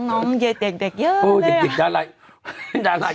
น้องเย็ดเด็กเด็กเยอะเลยอ่ะเด็กดาลัยเด็กเยอะมาก